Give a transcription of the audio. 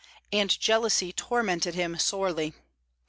And jealousy tormented him sorely.